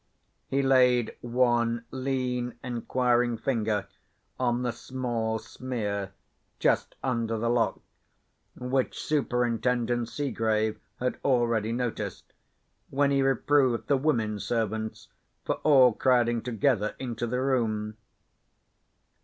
He laid one lean inquiring finger on the small smear, just under the lock, which Superintendent Seegrave had already noticed, when he reproved the women servants for all crowding together into the room.